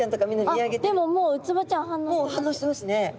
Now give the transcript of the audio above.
でももうウツボちゃん反応してます。